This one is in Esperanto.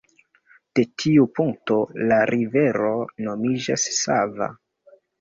De tiu punkto la rivero nomiĝas Sava.